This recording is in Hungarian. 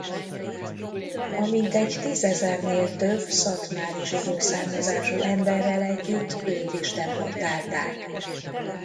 A mintegy tízezernél több szatmári zsidó származású emberrel együtt őt is deportálták.